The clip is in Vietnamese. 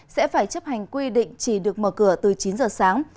sẽ phải chấp hành quy định chỉ được mở cửa từ chín giờ sáng